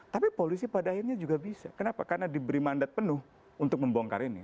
tapi polisi pada akhirnya juga bisa kenapa karena diberi mandat penuh untuk membongkar ini